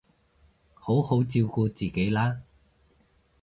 好好照顧自己啦